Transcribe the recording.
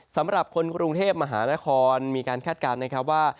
สำหรับคนกรุงเทพมหานครมีการคาดการณ์นะครับว่า